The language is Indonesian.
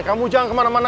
kamu jangan kemana mana